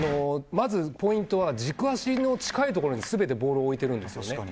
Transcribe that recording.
まずポイントは軸足の近いところに全てボールを置いているんですね。